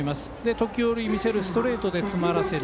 時折見せるストレートで詰まらせる。